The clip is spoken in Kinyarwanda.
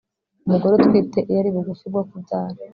umugore utwite iyo ari bugufi bwo kubyara